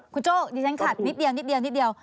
คุณโจ้ดิฉันขัดนิดเดียว